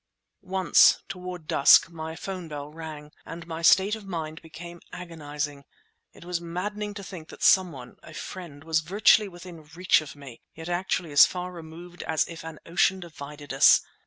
Once, toward dusk, my phone bell rang, and my state of mind became agonizing. It was maddening to think that someone, a friend, was virtually within reach of me, yet actually as far removed as if an ocean divided us!